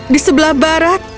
di sebelah barat